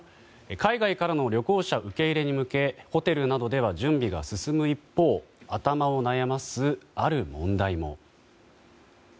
海外からの旅行者受け入れに向けホテルなどでは準備が進む一方頭を悩ます、ある問題も。